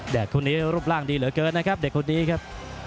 คู่นี้รูปร่างดีเหลือเกินนะครับเด็กคนนี้ครับ